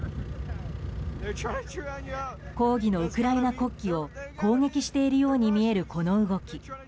抗議のウクライナ国旗を攻撃しているように見えるこの動き。